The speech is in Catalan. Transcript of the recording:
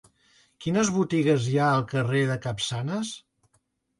Quines botigues hi ha al carrer de Capçanes?